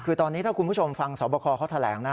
คือตอนนี้ถ้าคุณผู้ชมฟังสอบคอเขาแถลงนะ